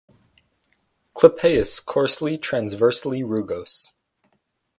Clypeus coarsely transversely rugose.